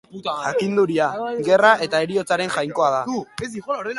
Jakinduria, gerra eta heriotzaren jainkoa da.